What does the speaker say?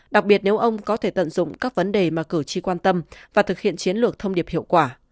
đặc biệt nếu ông có thể tận dụng các vấn đề mà cử tri quan tâm và thực hiện chiến lược thông điệp hiệu quả